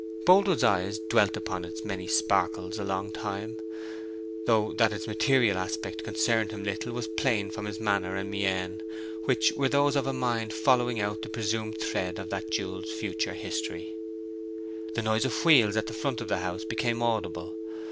Boldwood's eyes dwelt upon its many sparkles a long time, though that its material aspect concerned him little was plain from his manner and mien, which were those of a mind following out the presumed thread of that jewel's future history. The noise of wheels at the front of the house became audible.